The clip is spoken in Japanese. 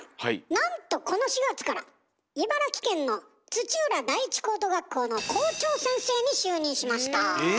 なんとこの４月から茨城県の土浦第一高等学校の校長先生に就任しました！